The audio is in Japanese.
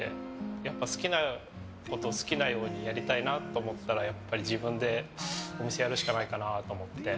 やっぱり好きなことを好きなようにやりたいなと思ったら自分でお店やるしかないかなと思って。